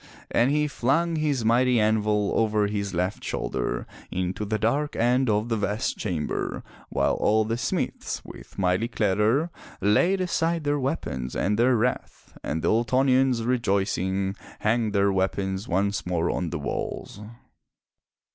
And he flung his mighty anvil over his left shoulder into the dark end of the vast chamber, while all the smiths with 408 FROM THE TOWER WINDOW mighty clatter laid aside their weapons and their wrath, and the Ultonians, rejoicing, hanged their weapons once more on the walls.